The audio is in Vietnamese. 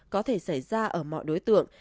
có thể xảy ra ở mọi đối tượng